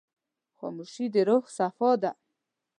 خاموشي، د روح صفا ده.